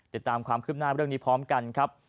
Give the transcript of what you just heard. ติดตามความคืบหน้าเรื่องนี้พร้อมกันครับ